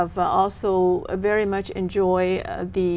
và tôi đã thích